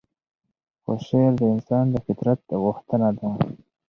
خو شعر د انسان د فطرت غوښتنه ده.